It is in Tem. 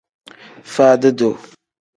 Faadi-duu.